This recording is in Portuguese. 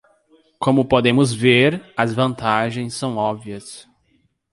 Como podemos ver, as vantagens são óbvias.